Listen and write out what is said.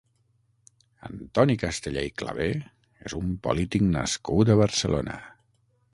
Antoni Castellà i Clavé és un polític nascut a Barcelona.